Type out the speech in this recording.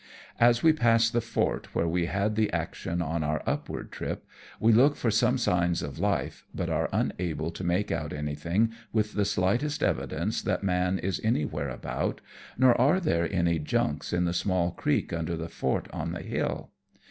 As we pass the fort where we had the action on our upward trip, we look for some signs of life^ but are unable to make out anything with the slightest evi dence that man is anywhere about, nor are there any junks in the small creek under the fort on the hill.